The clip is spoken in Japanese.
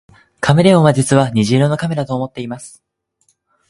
カメレオンは実は虹色の亀だと思っています